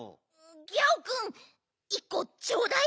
ギャオくん１こちょうだい。